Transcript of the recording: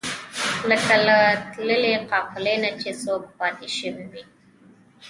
لکه له تللې قافلې نه چې څوک پاتې شوی وي.